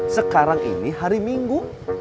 sekarang ini hari minggu